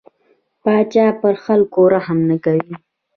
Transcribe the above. پاچا پر خلکو رحم نه کوي.